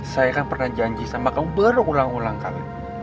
saya kan pernah janji sama kamu berulang ulang kali